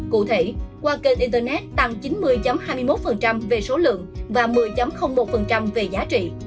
cụ thể qua kênh internet tăng chín mươi hai mươi một về số lượng và một mươi một về giá trị